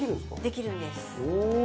できるんです